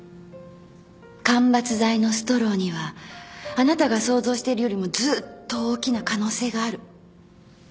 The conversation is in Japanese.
間伐材のストローにはあなたが想像しているよりもずっと大きな可能性がある。